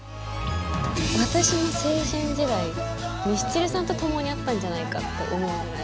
私の青春時代ミスチルさんと共にあったんじゃないかって思うぐらい。